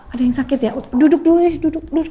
ada yang sakit ya duduk dulu nih duduk duduk